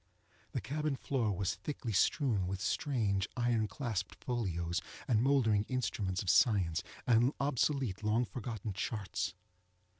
The cabin floor was thickly strewn with strange, iron clasped folios, and mouldering instruments of science, and obsolete long forgotten charts.